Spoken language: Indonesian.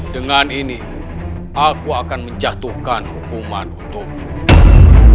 dengan ini aku akan menjatuhkan hukuman untukmu